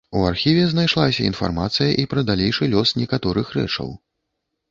У архіве знайшлася інфармацыя і пра далейшы лёс некаторых рэчаў.